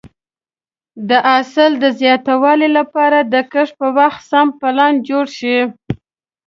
د حاصل د زیاتوالي لپاره د کښت په وخت سم پلان جوړ شي.